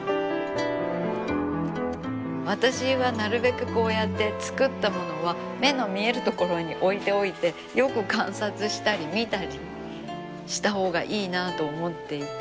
私はなるべくこうやって作ったものは目の見える所に置いておいてよく観察したり見たりしたほうがいいなあと思っていて。